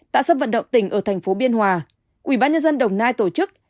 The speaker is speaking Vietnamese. tạ sấp vận động tỉnh ở thành phố biên hòa ủy ban dân đồng nai tổ chức